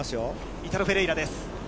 イタロ・フェレイラです。